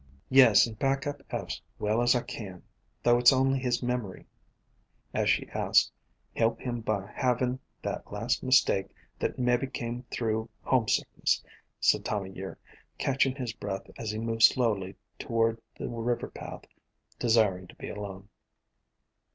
"Yes, an' back up Eph 's well as I can, — though it 's only his memory, — as she asked, help him by halvin* that last mistake that mebby came through homesickness," said Time o' Year, catching his breath as he moved slowly toward the river path, desiring to be alone.